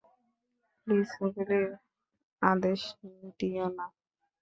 Please গুলির আদেশ দিয়ো না।